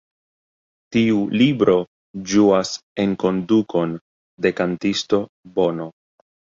Tiu libro ĝuas enkondukon de kantisto Bono.